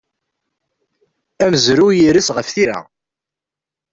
Amezruy ires ɣef tira.